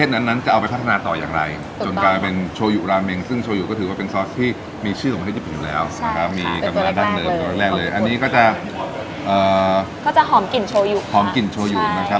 มันก็จะหอมกลิ่นโชยุหอมกลิ่นโชยุนะครับ